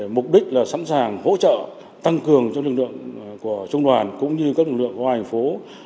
mục đích là sẵn sàng hỗ trợ tăng cường cho lực lượng của trung đoàn cũng như các lực lượng hoa hình phố